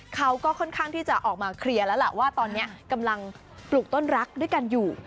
เขาก็ค่อนข้างที่จะออกมาเคลียร์แล้วล่ะว่าตอนนี้กำลังปลูกต้นรักด้วยกันอยู่